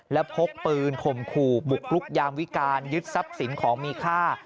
และพกปืนข่มขู่บุกลุกยามวิการยึดทรัพย์สินของมีค่า